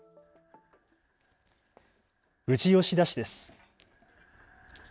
富士吉田市です。